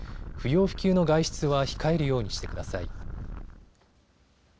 不要不急の外出は控えるようにしてください。